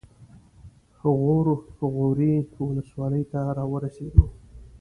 غور غوري ولسوالۍ ته راورسېدو.